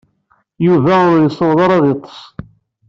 Yuba ur yessaweḍ ara ad yeḍḍes.